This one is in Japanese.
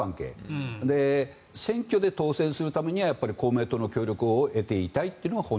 選挙で当選するには公明党の協力を得ていたいと。